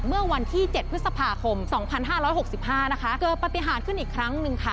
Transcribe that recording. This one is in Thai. เมื่อวันที่๗พฤษภาคม๒๕๖๕นะคะเกิดปฏิหารขึ้นอีกครั้งหนึ่งค่ะ